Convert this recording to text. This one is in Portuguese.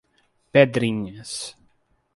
Pedrinhas